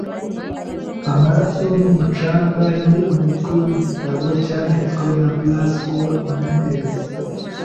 "Amaraso n'umucanga" ni umutwe w'igitabo cyanditswe na Blasco Ináñez.